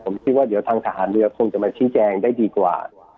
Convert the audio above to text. ผมคิดว่าเดี๋ยวทางทหารเรือคงจะมาชี้แจงได้ดีกว่า